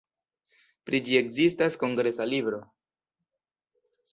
Pri ĝi ekzistas kongresa libro.